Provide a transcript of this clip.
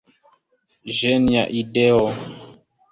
Genia ideo!